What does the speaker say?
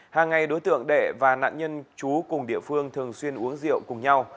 hàng ngày đối tượng đệ và nạn nhân chú cùng địa phương thường xuyên uống rượu cùng nhau